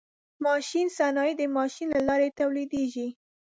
ماشیني صنایع د ماشین له لارې تولیدیږي.